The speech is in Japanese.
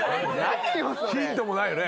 ヒントもないよね。